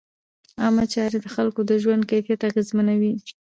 عامه چارې د خلکو د ژوند کیفیت اغېزمنوي.